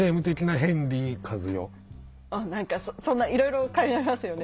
何かそんないろいろ考えますよね。